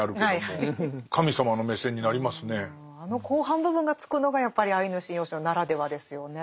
あの後半部分がつくのがやっぱり「アイヌ神謡集」ならではですよね。